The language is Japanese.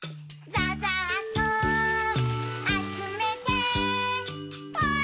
「ざざっとあつめてポイ」